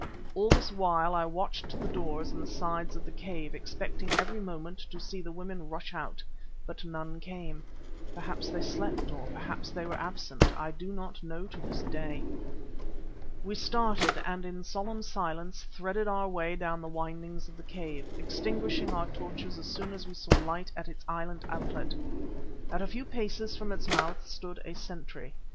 All this while I watched the doors in the sides of the cave, expecting every moment to see the women rush out. But none came. Perhaps they slept, or perhaps they were absent; I do not know to this day. We started, and in solemn silence threaded our way down the windings of the cave, extinguishing our torches as soon as we saw light at its inland outlet. At a few paces from its mouth stood a sentry.